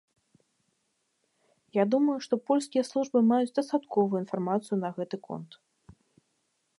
Я думаю, што польскія службы маюць дастатковую інфармацыю на гэты конт.